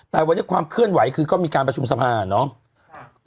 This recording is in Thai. แต่วันนี้ความเคลื่อนไหวคือก็มีการประชุมสภาเนาะ